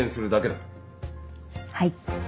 はい。